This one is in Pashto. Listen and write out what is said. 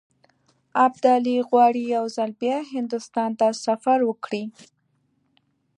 ابدالي غواړي یو ځل بیا هندوستان ته سفر وکړي.